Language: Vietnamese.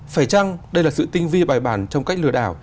phải chăng đây là sự tinh vi bài bản trong cách lừa đảo